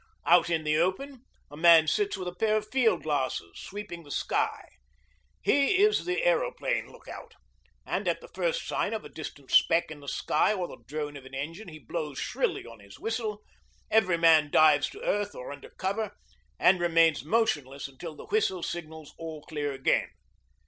Out in the open a man sits with a pair of field glasses, sweeping the sky. He is the aeroplane look out, and at the first sign of a distant speck in the sky or the drone of an engine he blows shrilly on his whistle; every man dives to earth or under cover, and remains motionless until the whistle signals all clear again.